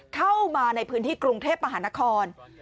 เข้ามาในพื้นที่กรุงเทพมหานคร